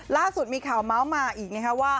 ล่าสุดมีข่าวเมาส์มาอีกนะครับว่า